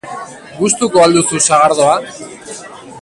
Gustuko al duzu sagardoa?